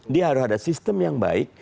di haru haru ada sistem yang baik